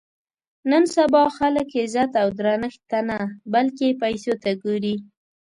نن سبا خلک عزت او درنښت ته نه بلکې پیسو ته ګوري.